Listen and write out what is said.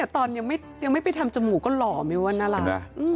ตอนยังไม่ไปทำจมูก็หล่อมีวันน่ารัก